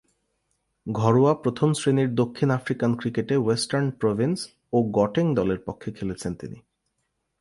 ঘরোয়া প্রথম-শ্রেণীর দক্ষিণ আফ্রিকান ক্রিকেটে ওয়েস্টার্ন প্রভিন্স ও গটেং দলের পক্ষে খেলেছেন তিনি।